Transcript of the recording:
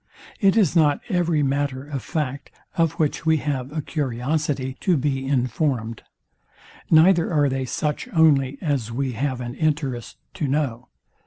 It is not every matter of fact, of which we have a curiosity to be informed; neither are they such only as we have an interest to know.